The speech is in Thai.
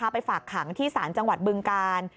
ไปฝากขังที่ศาลจังหวัดบึงกาล